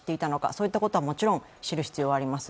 そういったことはもちろん知る必要があります。